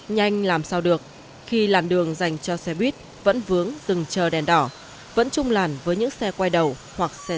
nhanh làm sao được khi làn đường dành cho xe buýt vẫn vướng dừng trờ đèn đỏ vẫn chung làn với những xe quay đầu hoặc xe dễ trái